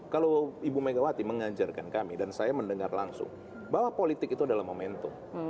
kalau ibu megawati mengajarkan kami dan saya mendengar langsung bahwa politik itu adalah momentum